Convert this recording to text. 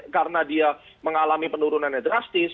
karena dia mengalami penurunannya drastis